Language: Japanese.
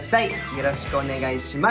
よろしくお願いします。